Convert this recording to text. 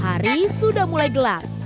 hari sudah mulai gelap